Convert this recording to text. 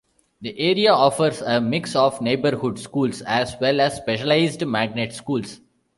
The area offers a mix of neighborhood schools as well as specialized magnet schools.